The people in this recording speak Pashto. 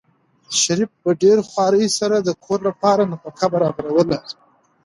شریف په ډېرې خوارۍ سره د کور لپاره نفقه برابروله.